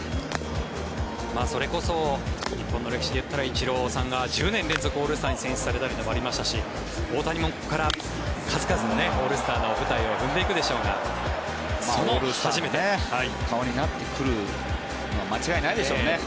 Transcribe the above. それこそ日本の歴史で言ったらイチローさんが１０年連続オールスターに出場したのもありましたし大谷も数々のオールスターの舞台を踏んでいくでしょうがオールスターの顔になってくるのは間違いないでしょうね。